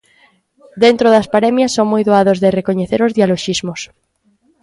Dentro das paremias son moi doados de recoñecer os dialoxismos.